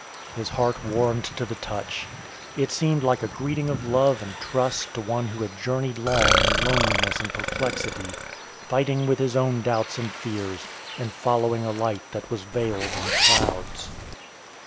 His heart warmed to the touch. It seemed like a greeting of love and trust to one who had journeyed long in loneliness and perplexity, fighting with his own doubts and fears, and following a light that was veiled in clouds.